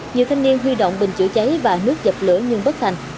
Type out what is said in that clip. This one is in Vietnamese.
nhiều thanh niên huy động bình chữa cháy và nước dập lửa nhưng bất thành